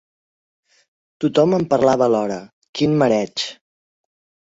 Tothom em parlava alhora: quin mareig!